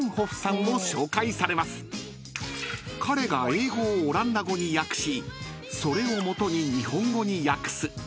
［彼が英語をオランダ語に訳しそれを基に日本語に訳す］